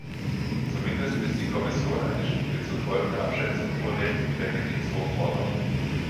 Zumindest bis die Kommission eine Studie zur Folgenabschätzung vorlegt, wie der Gerichtshof fordert.